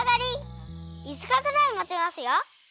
いつかくらいもちますよ。